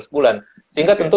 delapan belas bulan sehingga tentu